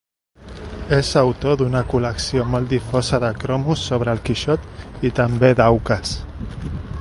És autor d'una col·lecció molt difosa de cromos sobre el Quixot i també d'auques.